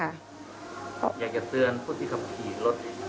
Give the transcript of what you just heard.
อยากจะเตือนผู้ที่ขับขี่รถ